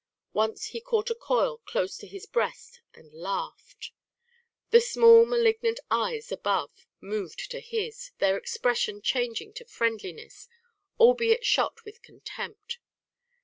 Once he caught a coil close to his breast and laughed. The small malignant eyes above moved to his, their expression changing to friendliness, albeit shot with contempt.